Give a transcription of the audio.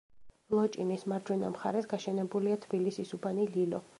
ლოჭინის მარჯვენა მხარეს გაშენებულია თბილისის უბანი ლილო.